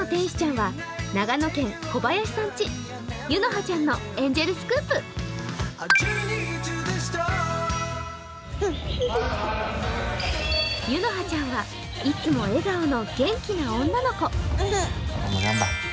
ゆのはちゃんは、いつも笑顔の元気な女の子。